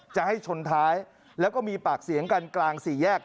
จะให้ชนท้ายแล้วก็มีปากเสียงกันกลางสี่แยก